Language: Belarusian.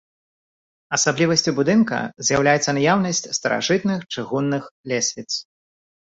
Асаблівасцю будынка з'яўляецца наяўнасць старажытных чыгунны лесвіц.